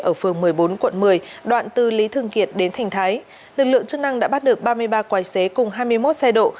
ở phường một mươi bốn quận một mươi đoạn từ lý thương kiệt đến thành thái lực lượng chức năng đã bắt được ba mươi ba quái xế cùng hai mươi một xe độ